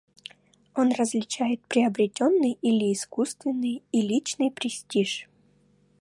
Он различает приобретенный или искусственный и личный престиж.